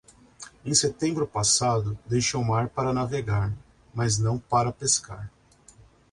Em setembro passado, deixe o mar para navegar, mas não para pescar.